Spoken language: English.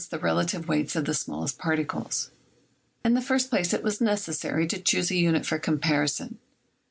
the relative weights of the small est particles? In the first place it was necessary to choose a unit for comparison.